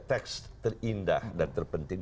teks terindah dan terpenting